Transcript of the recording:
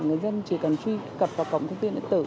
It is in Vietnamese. người dân chỉ cần truy cập vào cổng thông tin điện tử